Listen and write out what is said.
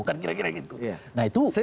kan kira kira gitu